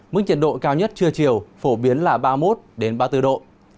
mức nhiệt độ cao nhất trưa chiều phổ biến là ba mươi một ba mươi bốn độ